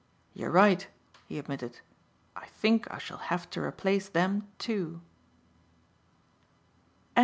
"You're right," he admitted. "I think I shall have to replace them, too."